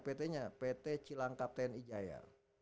pt cilang kapten ijaya